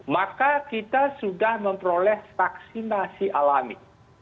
maka kita sudah memperoleh vaksinasi alami